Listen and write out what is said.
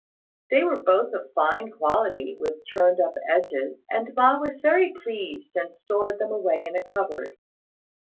They were both of fine quality, with turned up edges, and Ma was very pleased and stored them away in a cupboard.